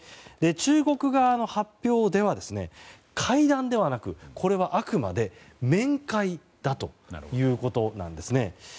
中国側の発表では会談ではなく、これはあくまで面会だということなんです。